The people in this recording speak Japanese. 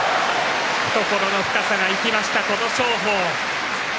懐の深さが生きました琴勝峰。